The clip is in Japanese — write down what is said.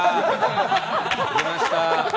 出ました。